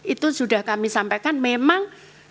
itu sudah kami sampaikan memang